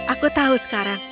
aku tahu sekarang